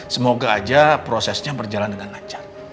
semoga aja prosesnya berjalan dengan lancar